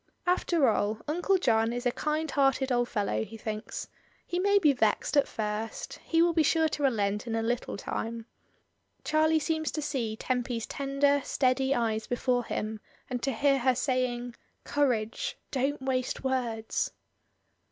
After all Uncle John is a kind hearted old fellow, he thinks. He may be vexed at first, he STELLA MEA. 1 77 will be sure to relent in a little time. Charlie seems to see Tempy*s tender steady eyes before him and to hear her saying, "Courage! don't wast^ words."